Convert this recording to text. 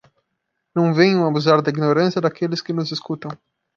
Não venham abusar da ignorância daqueles que nos escutam.